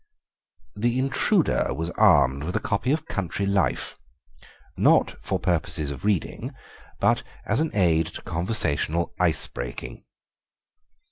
The intruder was armed with a copy of Country Life, not for purposes of reading, but as an aid to conversational ice breaking.